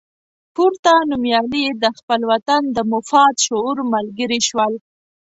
پورته نومیالي د خپل وطن د مفاد شعور ملګري شول.